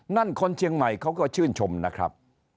คนเชียงใหม่เขาก็ชื่นชมนะครับ